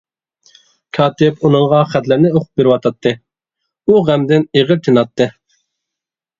كاتىپ ئۇنىڭغا خەتلەرنى ئوقۇپ بېرىۋاتاتتى، ئۇ غەمدىن ئېغىر تىناتتى.